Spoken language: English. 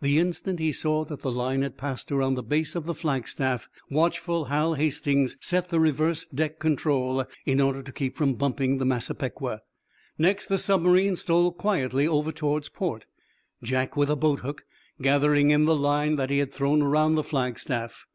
The instant he saw that the line had passed around the base of the flagstaff, watchful Hal Hastings set the reverse deck control in order to keep from bumping the "Massapequa." Next, the submarine stole quietly over towards port, Jack, with a boathook, gathering in the line that he had thrown around the flagstaff.